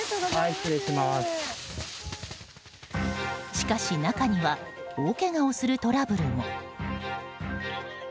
しかし、中には大けがをするトラブルも。